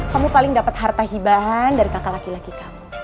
kamu paling dapat harta hibahan dari kakak laki laki kamu